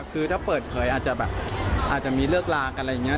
คือถ้าเปิดเผยอาจจะแบบอาจจะมีเลิกลากันอะไรอย่างนี้